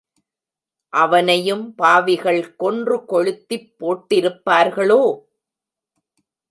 அவனையும் பாவிகள் கொன்று கொளுத்திப் போட்டிருப்பார்களோ!